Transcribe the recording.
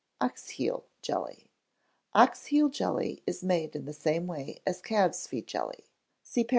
Ox heel Jelly. Ox heel Jelly is made in the same way as Calves' Feet Jelly (_See par.